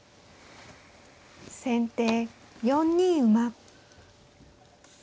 先手４二馬。